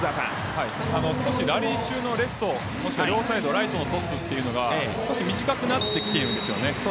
ラリー中のレフトもしくは両サイドライトのトスというのが短くなってきているんですよね。